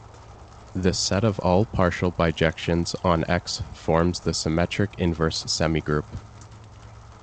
The set of all partial bijections on "X" forms the symmetric inverse semigroup.